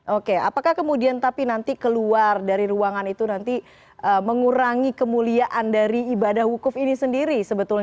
oke apakah kemudian tapi nanti keluar dari ruangan itu nanti mengurangi kemuliaan dari ibadah wukuf ini sendiri sebetulnya